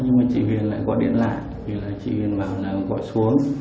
nhưng mà chị huyền lại gọi điện lại thì là chị huyền vào là gọi xuống